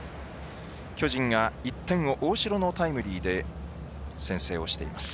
巨人が１点を大城のタイムリーで先制しています。